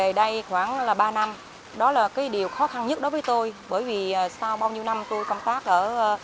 đây khoảng ba năm đó là cái điều khó khăn nhất đối với tôi bởi vì sau bao nhiêu năm tôi công tác ở